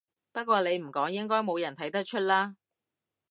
不過你唔講應該冇人睇得出啦